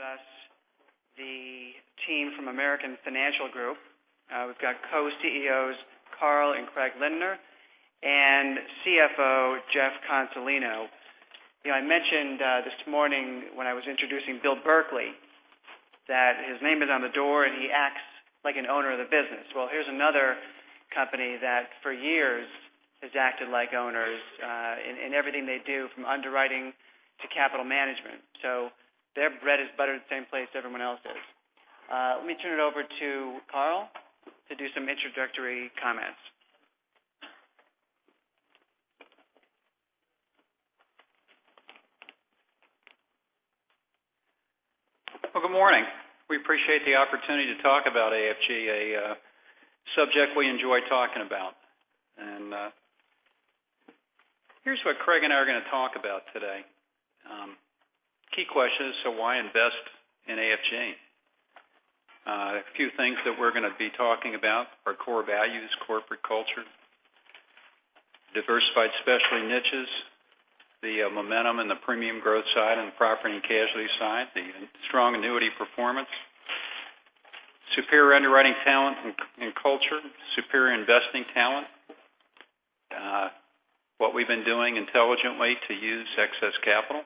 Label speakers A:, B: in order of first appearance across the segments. A: Have with us the team from American Financial Group. We've got Co-CEOs, Carl Lindner and Craig Lindner, and CFO, Jeff Consolino. I mentioned this morning when I was introducing Bill Berkley that his name is on the door and he acts like an owner of the business. Well, here's another company that for years has acted like owners in everything they do, from underwriting to capital management. Their bread is buttered in the same place everyone else's is. Let me turn it over to Carl to do some introductory comments.
B: Well, good morning. We appreciate the opportunity to talk about AFG, a subject we enjoy talking about. Here's what Craig and I are going to talk about today. Key question is, why invest in AFG? A few things that we're going to be talking about are core values, corporate culture, diversified specialty niches, the momentum in the premium growth side and the property and casualty side, the strong annuity performance, superior underwriting talent and culture, superior investing talent, what we've been doing intelligently to use excess capital,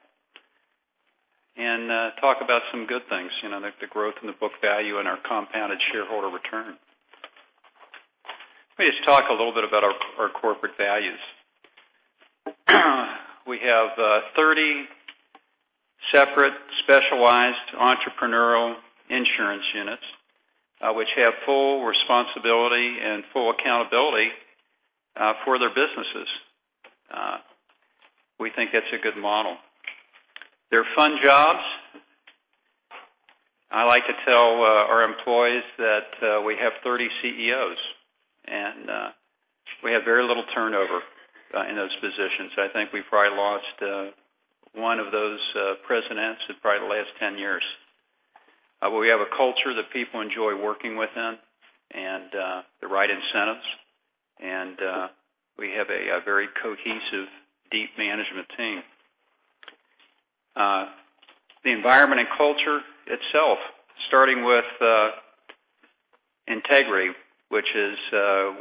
B: and talk about some good things, like the growth in the book value and our compounded shareholder return. Let me just talk a little bit about our corporate values. We have 30 separate specialized entrepreneurial insurance units, which have full responsibility and full accountability for their businesses. We think that's a good model. They're fun jobs. I like to tell our employees that we have 30 CEOs. We have very little turnover in those positions. I think we've probably lost one of those presidents in probably the last 10 years. We have a culture that people enjoy working within and the right incentives. We have a very cohesive, deep management team. The environment and culture itself, starting with integrity, which is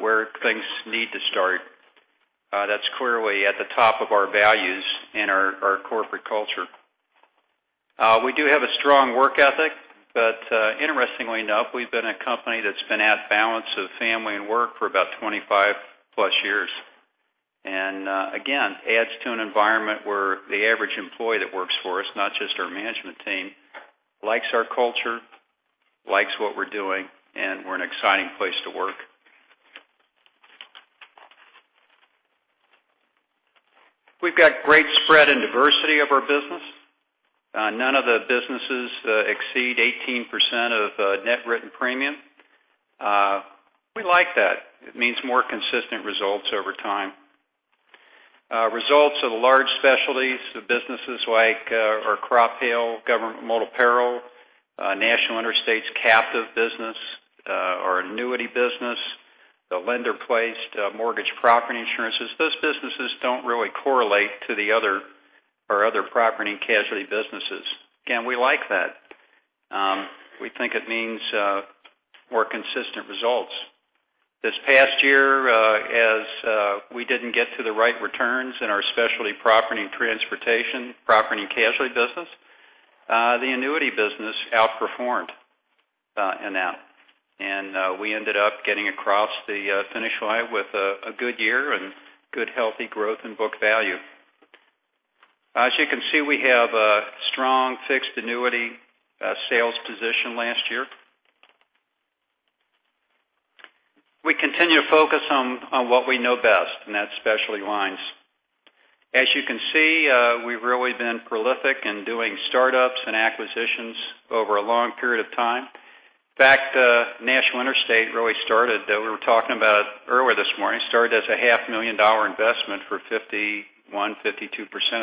B: where things need to start. That's clearly at the top of our values in our corporate culture. We do have a strong work ethic, but interestingly enough, we've been a company that's been at balance of family and work for about 25 plus years. Again, adds to an environment where the average employee that works for us, not just our management team, likes our culture, likes what we're doing, and we're an exciting place to work. We've got great spread and diversity of our business. None of the businesses exceed 18% of net written premium. We like that. It means more consistent results over time. Results of the large specialties, the businesses like our crop hail, government multi-peril, National Interstate's captive business, our annuity business, the lender-placed mortgage property insurances. Those businesses don't really correlate to our other property and casualty businesses. Again, we like that. We think it means more consistent results. This past year, as we didn't get to the right returns in our specialty Property and transportation, property and casualty business, the annuity business outperformed in that. We ended up getting across the finish line with a good year and good healthy growth in book value. As you can see, we have a strong fixed annuity sales position last year. We continue to focus on what we know best, and that's specialty lines. As you can see, we've really been prolific in doing startups and acquisitions over a long period of time. In fact, National Interstate really started, that we were talking about earlier this morning, started as a half-million dollar investment for 51%-52%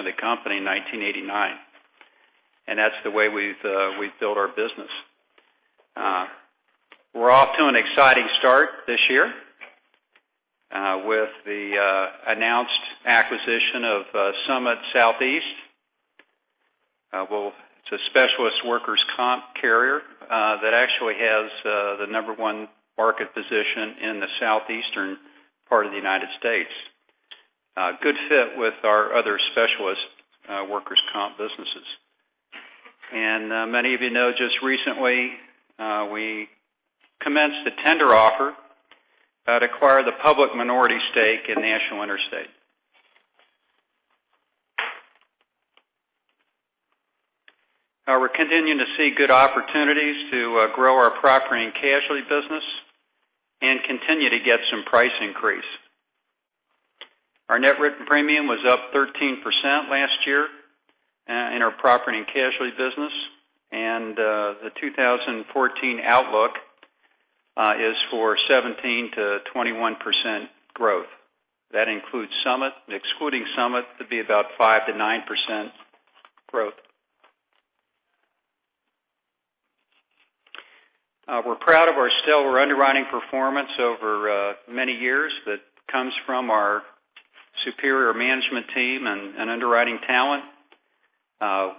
B: of the company in 1989. That's the way we've built our business. We're off to an exciting start this year with the announced acquisition of Summit Southeast. It's a specialist workers' comp carrier that actually has the number 1 market position in the southeastern part of the United States. Good fit with our other specialists' workers' comp businesses. Many of you know just recently, we commenced a tender offer to acquire the public minority stake in National Interstate. We're continuing to see good opportunities to grow our property and casualty business and continue to get some price increase. Our net written premium was up 13% last year in our property and casualty business, and the 2014 outlook is for 17%-21% growth. That includes Summit. Excluding Summit, it'd be about 5%-9% growth. We're proud of our stellar underwriting performance over many years that comes from our superior management team and underwriting talent.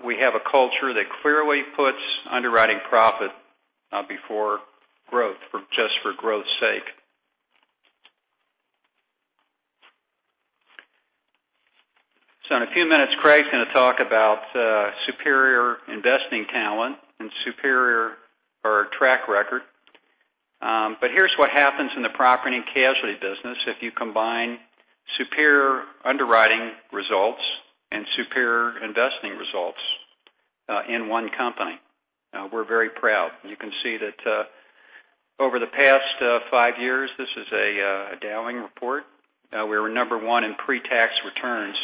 B: We have a culture that clearly puts underwriting profit before growth for just for growth's sake. In a few minutes, Craig's going to talk about superior investing talent and superior track record. Here's what happens in the property and casualty business if you combine superior underwriting results and superior investing results in one company. We're very proud. You can see that over the past five years, this is a Dowling report. We were number 1 in pre-tax returns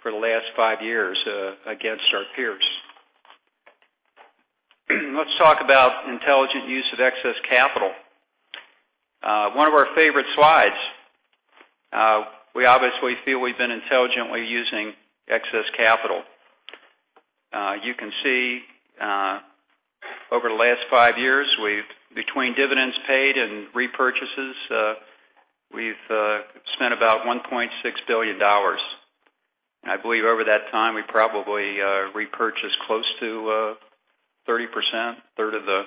B: for the last five years against our peers. Let's talk about intelligent use of excess capital. One of our favorite slides. We obviously feel we've been intelligently using excess capital. You can see, over the last five years, between dividends paid and repurchases, we've spent about $1.6 billion. I believe over that time, we probably repurchased close to 30%, a third of the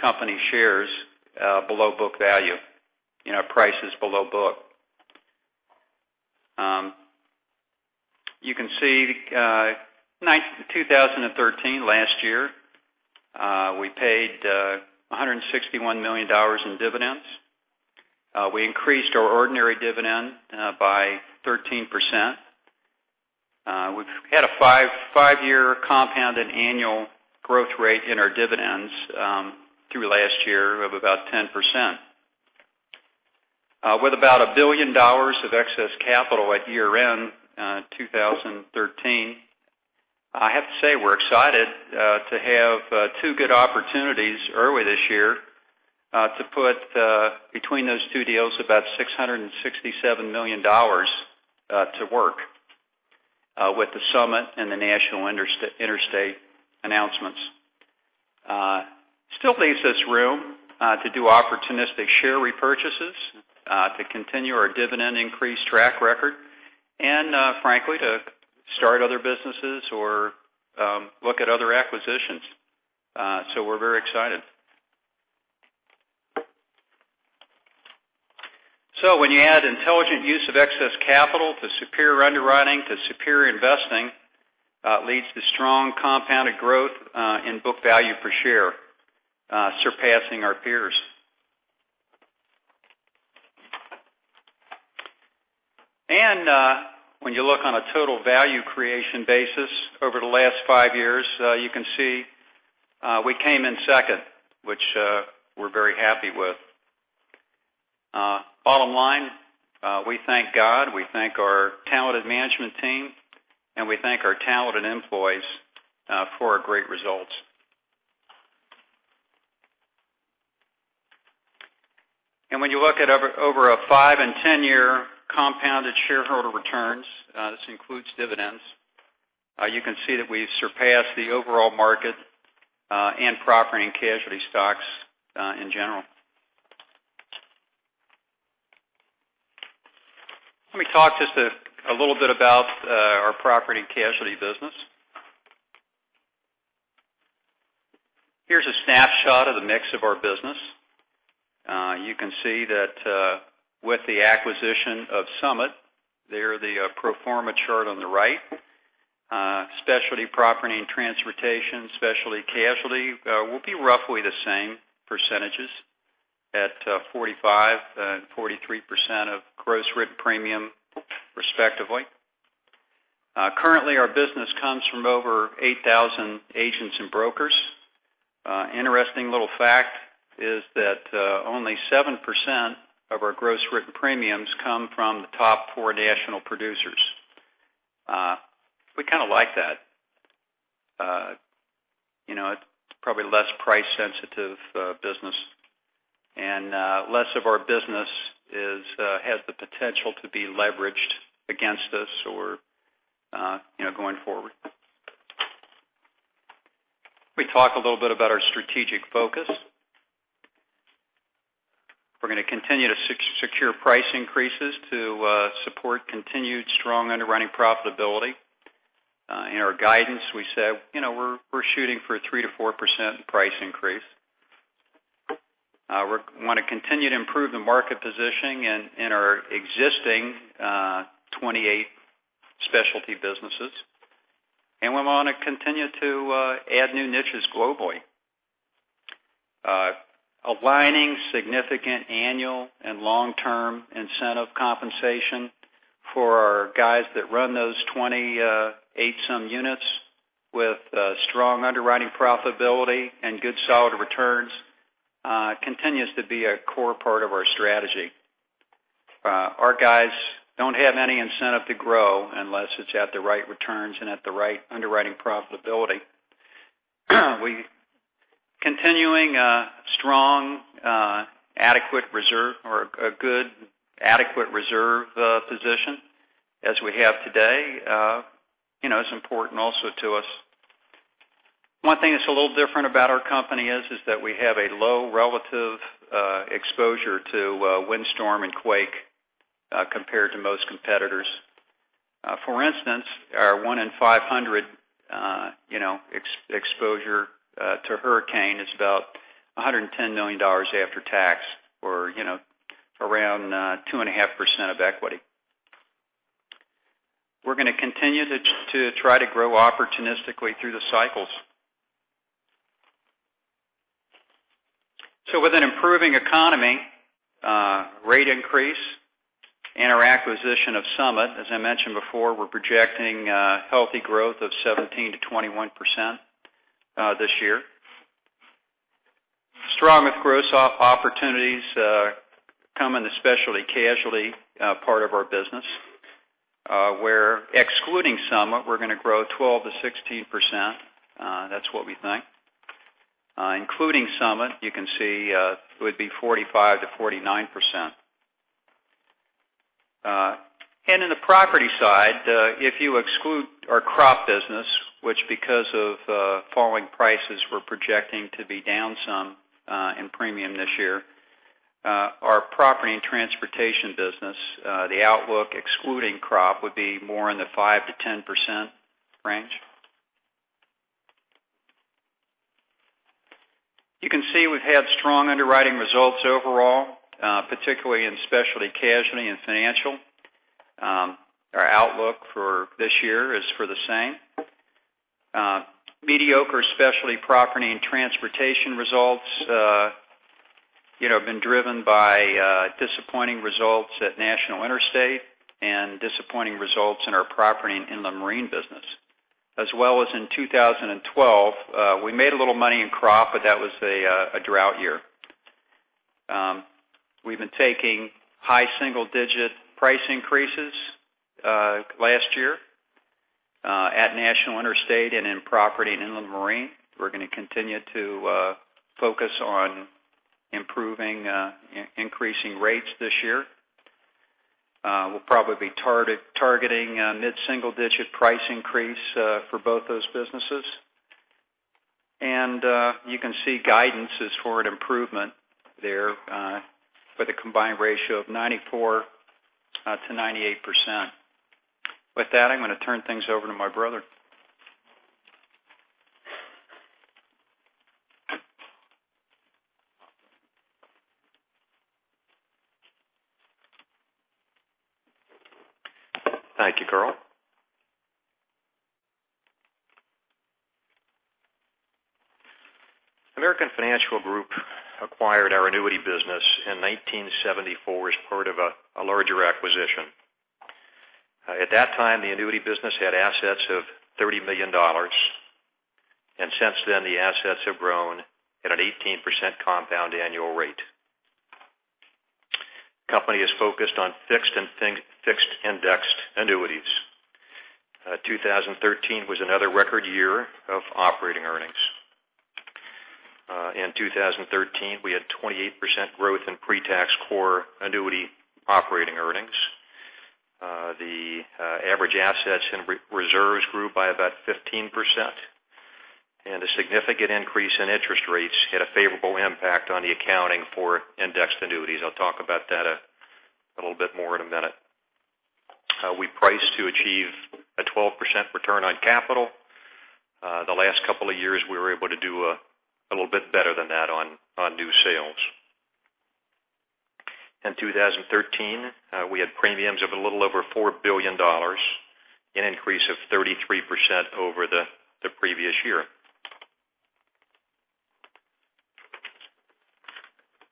B: company shares below book value, prices below book. You can see 2013, last year, we paid $161 million in dividends. We increased our ordinary dividend by 13%. We've had a five-year compounded annual growth rate in our dividends, through last year, of about 10%. With about a billion dollars of excess capital at year-end 2013, I have to say, we're excited to have two good opportunities early this year to put between those two deals about $667 million to work with the Summit and the National Interstate announcements. Still leaves us room to do opportunistic share repurchases, to continue our dividend increase track record, and frankly, to start other businesses or look at other acquisitions. We're very excited. When you add intelligent use of excess capital to superior underwriting to superior investing, it leads to strong compounded growth in book value per share, surpassing our peers. When you look on a total value creation basis over the last five years, you can see we came in second, which we're very happy with. Bottom line, we thank God, we thank our talented management team, and we thank our talented employees for our great results. When you look at over a 5 and 10-year compounded shareholder returns, this includes dividends, you can see that we've surpassed the overall market and property and casualty stocks in general. Let me talk just a little bit about our property and casualty business. Here's a snapshot of the mix of our business. You can see that with the acquisition of Summit, they're the pro forma chart on the right. Specialty Property and Transportation, Specialty Casualty will be roughly the same percentages at 45% and 43% of gross written premium respectively. Currently, our business comes from over 8,000 agents and brokers. Interesting little fact is that only 7% of our gross written premiums come from the top four national producers. We kind of like that. It's probably less price-sensitive business and less of our business has the potential to be leveraged against us going forward. Let me talk a little bit about our strategic focus. We're going to continue to secure price increases to support continued strong underwriting profitability. In our guidance, we said we're shooting for a 3% to 4% price increase. We want to continue to improve the market positioning in our existing 28 specialty businesses. We want to continue to add new niches globally. Aligning significant annual and long-term incentive compensation for our guys that run those 28 some units with strong underwriting profitability and good solid returns continues to be a core part of our strategy. Our guys don't have any incentive to grow unless it's at the right returns and at the right underwriting profitability. Continuing strong adequate reserve or a good adequate reserve position as we have today is important also to us. One thing that's a little different about our company is that we have a low relative exposure to windstorm and quake compared to most competitors. For instance, our one in 500 exposure to hurricane is about $110 million after tax, or around 2.5% of equity. We're going to continue to try to grow opportunistically through the cycles. With an improving economy, rate increase, and our acquisition of Summit, as I mentioned before, we're projecting a healthy growth of 17% to 21% this year. Strong with gross opportunities come in the Specialty Casualty part of our business, where excluding Summit, we're going to grow 12% to 16%. That's what we think. Including Summit, you can see it would be 45% to 49%. In the property side, if you exclude our crop business, which because of falling prices, we're projecting to be down some in premium this year. Our Property and Transportation business, the outlook excluding crop, would be more in the 5% to 10% range. You can see we've had strong underwriting results overall, particularly in Specialty Casualty and financial. Our outlook for this year is for the same. Mediocre Specialty Property and Transportation results have been driven by disappointing results at National Interstate and disappointing results in our property and inland marine business. As well as in 2012, we made a little money in crop, but that was a drought year. We've been taking high single-digit price increases last year at National Interstate and in property and inland marine. We're going to continue to focus on improving increasing rates this year. We'll probably be targeting a mid-single-digit price increase for both those businesses. You can see guidance is for an improvement there with a combined ratio of 94%-98%. With that, I'm going to turn things over to my brother.
C: Thank you, Carl. American Financial Group acquired our annuity business in 1974 as part of a larger acquisition. At that time, the annuity business had assets of $30 million. Since then, the assets have grown at an 18% compound annual rate. Company is focused on fixed and indexed annuities. 2013 was another record year of operating earnings. In 2013, we had 28% growth in pre-tax core annuity operating earnings. The average assets and reserves grew by about 15%. A significant increase in interest rates had a favorable impact on the accounting for indexed annuities. I'll talk about that a little bit more in a minute. We priced to achieve a 12% return on capital. The last couple of years, we were able to do a little bit better than that on new sales. In 2013, we had premiums of a little over $4 billion, an increase of 33% over the previous year.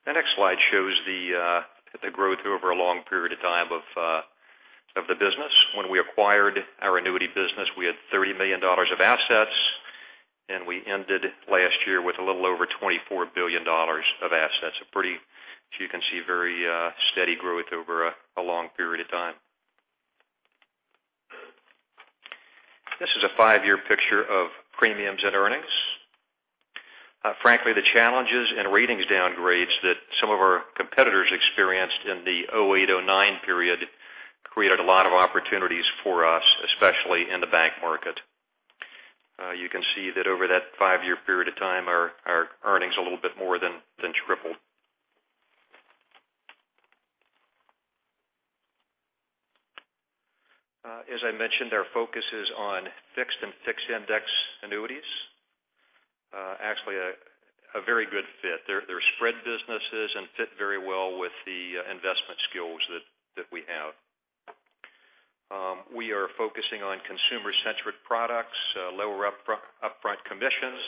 C: The next slide shows the growth over a long period of time of the business. When we acquired our annuity business, we had $30 million of assets. We ended last year with a little over $24 billion of assets. As you can see, very steady growth over a long period of time. This is a five-year picture of premiums and earnings. Frankly, the challenges and ratings downgrades that some of our competitors experienced in the 2008, 2009 period created a lot of opportunities for us, especially in the bank market. You can see that over that five-year period of time, our earnings a little bit more than tripled. As I mentioned, our focus is on fixed and fixed index annuities. Actually, a very good fit. They're spread businesses and fit very well with the investment skills that we have. We are focusing on consumer-centric products, lower upfront commissions,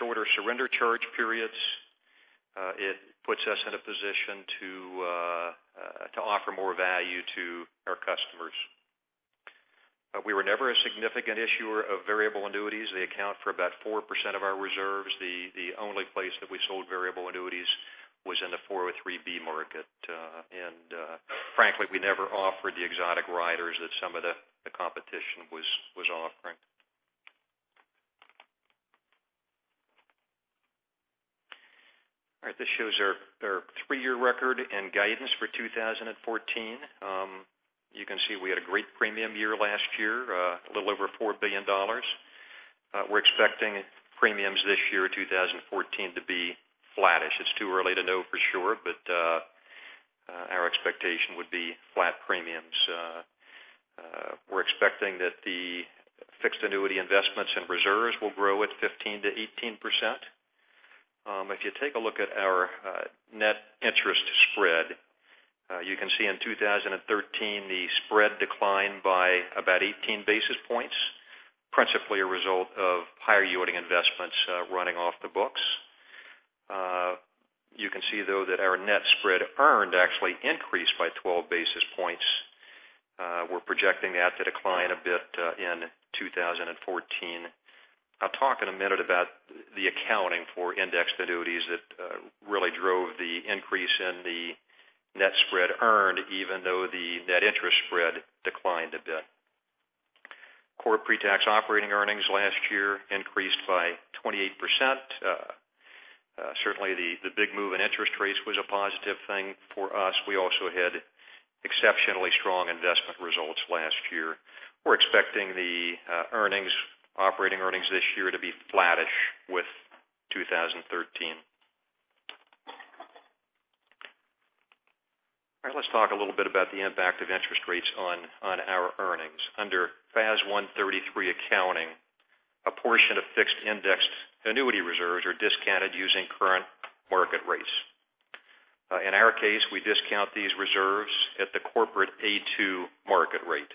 C: shorter surrender charge periods. It puts us in a position to offer more value to our customers. We were never a significant issuer of variable annuities. They account for about 4% of our reserves. The only place that we sold variable annuities was in the 403(b) market. Frankly, we never offered the exotic riders that some of the competition was offering. This shows our three-year record and guidance for 2014. You can see we had a great premium year last year, a little over $4 billion. We're expecting premiums this year, 2014, to be flattish. It's too early to know for sure, but our expectation would be flat premiums. We're expecting that the fixed annuity investments and reserves will grow at 15%-18%. If you take a look at our net interest spread, you can see in 2013, the spread declined by about 18 basis points, principally a result of higher yielding investments running off the books. You can see, though, that our net spread earned actually increased by 12 basis points. We're projecting that to decline a bit in 2014. I'll talk in a minute about the accounting for indexed annuities that really drove the increase in the net spread earned, even though the net interest spread declined a bit. Core pre-tax operating earnings last year increased by 28%. Certainly, the big move in interest rates was a positive thing for us. We also had exceptionally strong investment results last year. We're expecting the operating earnings this year to be flattish with 2013. All right, let's talk a little bit about the impact of interest rates on our earnings. Under FAS 133 accounting, a portion of fixed index annuity reserves are discounted using current market rates. In our case, we discount these reserves at the corporate A2 market rate.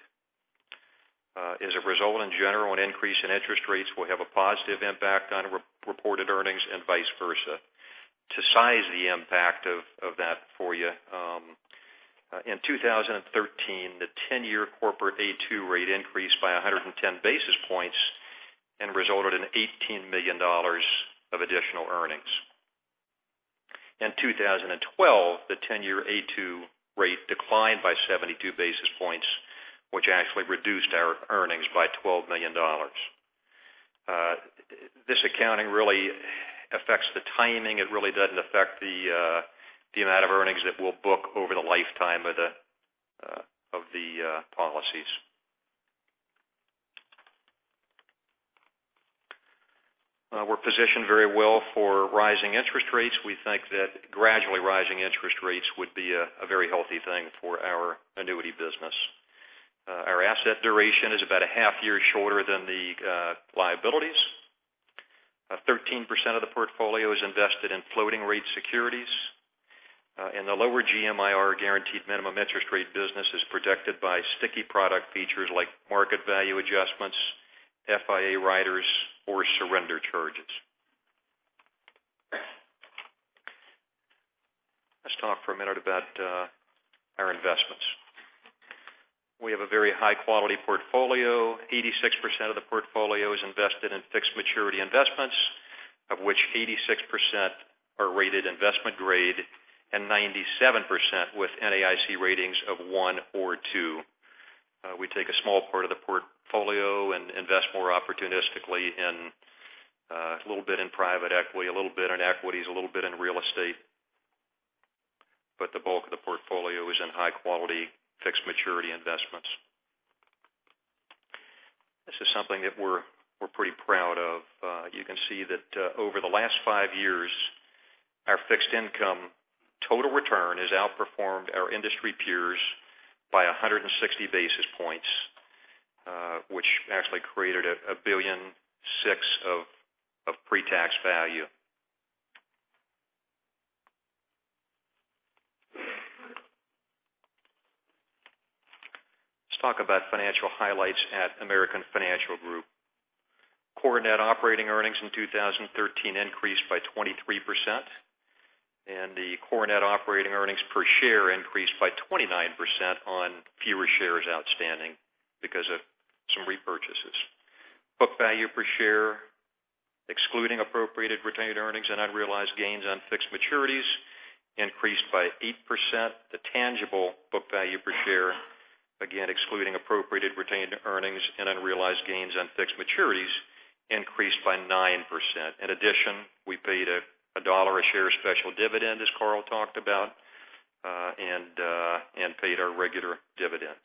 C: As a result, in general, an increase in interest rates will have a positive impact on reported earnings and vice versa. To size the impact of that for you, in 2013, the 10-year corporate A2 rate increased by 110 basis points and resulted in $18 million of additional earnings. In 2012, the 10-year A2 rate declined by 72 basis points, which actually reduced our earnings by $12 million. This accounting really affects the timing. It really doesn't affect the amount of earnings that we'll book over the lifetime of the policies. We're positioned very well for rising interest rates. We think that gradually rising interest rates would be a very healthy thing for our annuity business. Our asset duration is about a half year shorter than the liabilities. 13% of the portfolio is invested in floating rate securities. The lower GMIR, guaranteed minimum interest rate business, is protected by sticky product features like market value adjustments, FIA riders, or surrender charges. Let's talk for a minute about our investments. We have a very high-quality portfolio, 86% of the portfolio is invested in fixed maturity investments, of which 86% are rated investment grade and 97% with NAIC ratings of one or two. We take a small part of the portfolio and invest more opportunistically in a little bit in private equity, a little bit in equities, a little bit in real estate, but the bulk of the portfolio is in high-quality, fixed maturity investments. This is something that we're pretty proud of. You can see that over the last five years, our fixed income total return has outperformed our industry peers by 160 basis points, which actually created $1.6 billion of pre-tax value. Let's talk about financial highlights at American Financial Group. Core net operating earnings in 2013 increased by 23%, and the core net operating earnings per share increased by 29% on fewer shares outstanding because of some repurchases. Book value per share, excluding appropriated retained earnings and unrealized gains on fixed maturities, increased by 8%. The tangible book value per share, again, excluding appropriated retained earnings and unrealized gains on fixed maturities, increased by 9%. In addition, we paid a $1 a share special dividend, as Carl talked about, and paid our regular dividend.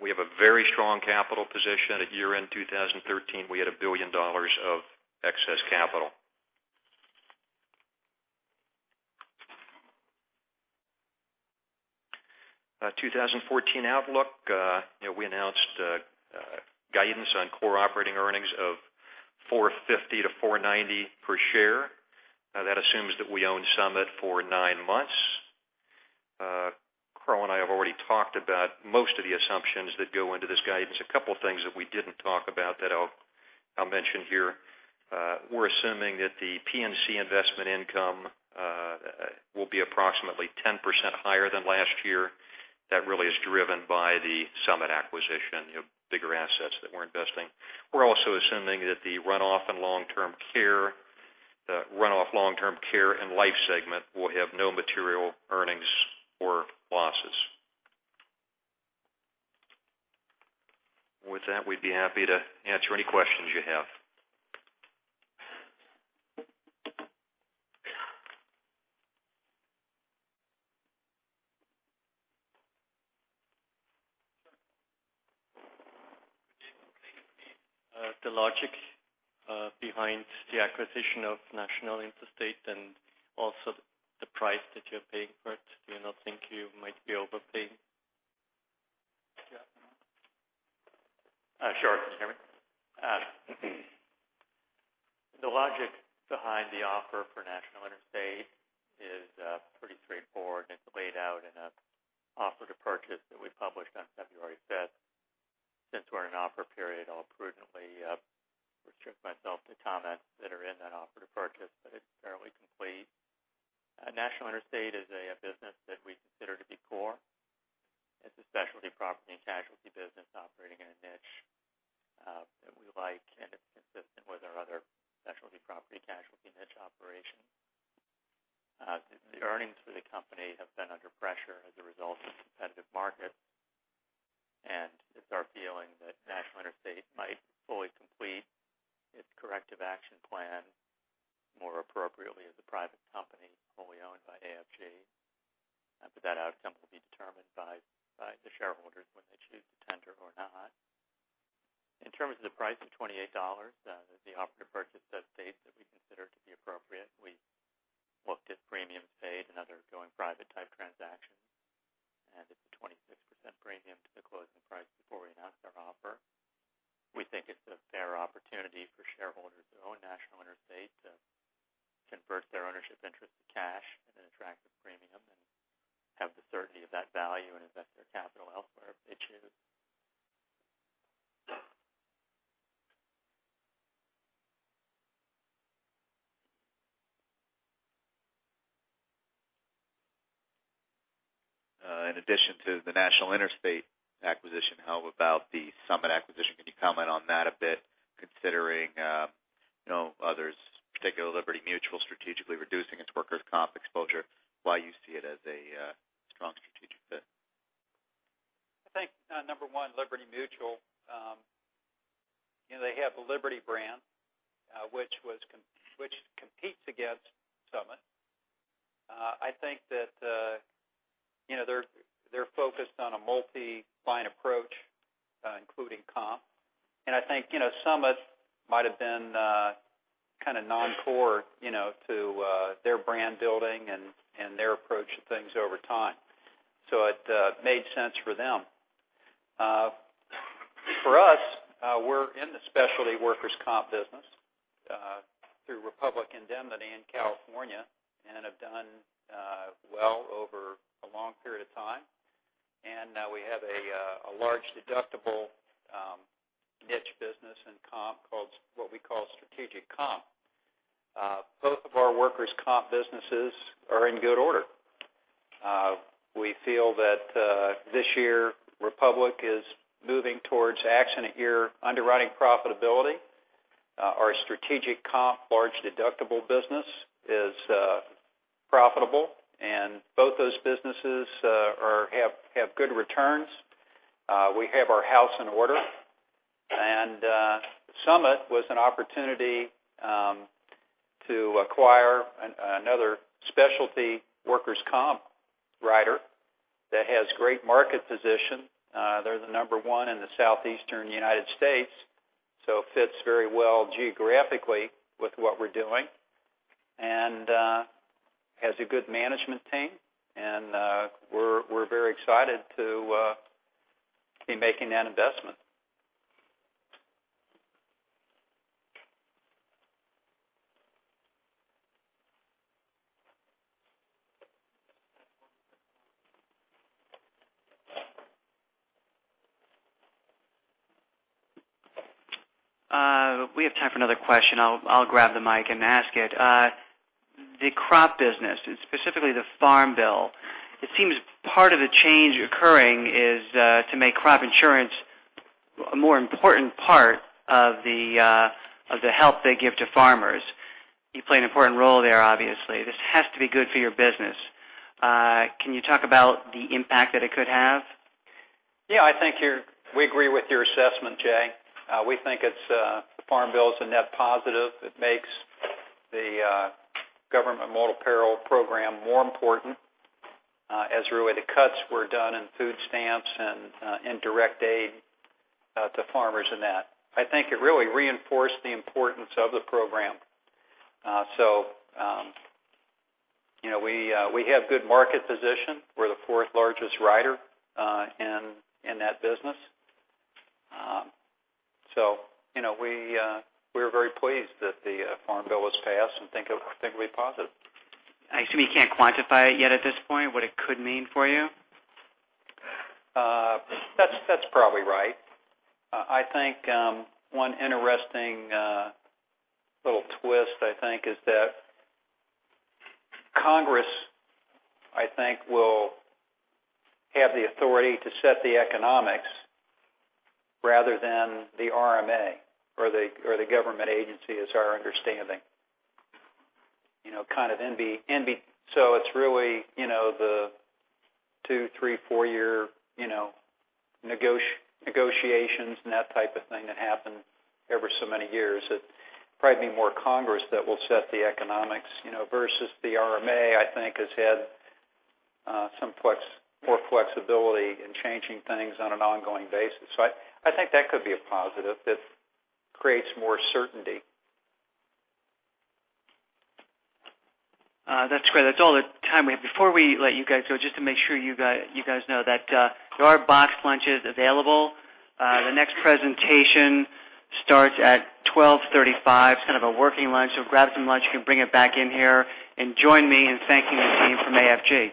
C: We have a very strong capital position. At year-end 2013, we had $1 billion of excess capital. 2014 outlook. We announced guidance on core operating earnings of $4.50 to $4.90 per share. That assumes that we own Summit for nine months. Carl and I have already talked about most of the assumptions that go into this guidance. A couple things that we didn't talk about that I'll mention here. We're assuming that the P&C investment income will be approximately 10% higher than last year. That really is driven by the Summit acquisition, bigger assets that we're investing. We're also assuming that the runoff long-term care and life segment will have no material earnings
B: With that, we'd be happy to answer any questions you have.
D: Could you explain the logic behind the acquisition of National Interstate and also the price that you're paying for it? Do you not think you might be overpaying?
B: Sure. Can you hear me? The logic behind the offer for National Interstate is pretty straightforward, and it's laid out in an offer to purchase that we published on February fifth. Since we're in an offer period, I'll prudently restrict myself to comments that are in that offer to purchase, but it's fairly complete. National Interstate is a business that we consider to be core. It's a specialty property and casualty business operating in a niche that we
D: particularly Liberty Mutual, strategically reducing its workers' comp exposure? Why you see it as a strong strategic fit?
B: I think, number one, Liberty Mutual, they have the Liberty brand which competes against Summit. I think that they're focused on a multi-line approach, including comp. I think Summit might have been kind of non-core to their brand building and their approach to things over time. It made sense for them. For us, we're in the specialty workers' comp business through Republic Indemnity in California and have done well over a long period of time. Now we have a large deductible niche business in comp, what we call Strategic Comp. Both of our workers' comp businesses are in good order. We feel that this year Republic is moving towards accident year underwriting profitability. Our Strategic Comp large deductible business is profitable and both those businesses have good returns. We have our house in order. Summit was an opportunity to acquire another specialty workers' comp writer that has great market position. They're the number one in the Southeastern United States, so it fits very well geographically with what we're doing and has a good management team. We're very excited to be making that investment.
D: We have time for another question. I'll grab the mic and ask it. The crop business, specifically the farm bill, it seems part of the change occurring is to make crop insurance a more important part of the help they give to farmers. You play an important role there, obviously. This has to be good for your business. Can you talk about the impact that it could have?
B: I think we agree with your assessment, Jay. We think the farm bill is a net positive. It makes the government multi-peril program more important as really the cuts were done in food stamps and direct aid to farmers in that. I think it really reinforced the importance of the program. We have good market position. We're the fourth largest writer in that business. We're very pleased that the farm bill was passed and think it'll be positive.
D: I assume you can't quantify it yet at this point, what it could mean for you?
B: That's probably right. I think one interesting little twist I think is that Congress, I think will have the authority to set the economics rather than the RMA or the government agency is our understanding. It's really the two, three, four year negotiations and that type of thing that happen every so many years. It'd probably be more Congress that will set the economics versus the RMA, I think has had more flexibility in changing things on an ongoing basis. I think that could be a positive that creates more certainty.
D: That's great. That's all the time we have. Before we let you guys go, just to make sure you guys know that there are boxed lunches available. The next presentation starts at 12:35 P.M. It's kind of a working lunch, grab some lunch. You can bring it back in here and join me in thanking the team from AFG.